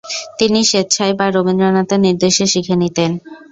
তিনি স্বেচ্ছায় বা রবীন্দ্রনাথের নির্দেশে শিখে নিতেন।